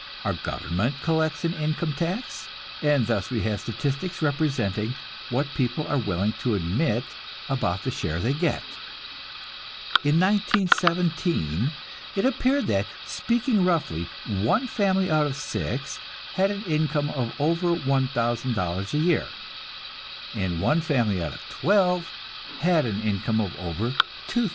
Our government collects an income tax, and thus we have statistics representing what people are willing to admit about the share they get. In 1917 it appeared that, speaking roughly, one family out of six had an income of over $1,000 a year, and one family out of twelve had an income of over $2,000.